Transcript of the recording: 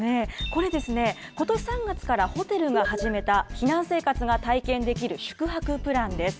これですね、ことし３月からホテルが始めた避難生活が体験できる宿泊プランです。